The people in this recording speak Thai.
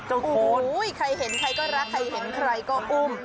โอ้โหใครเห็นใครก็รักใครเห็นใครก็อุ้ม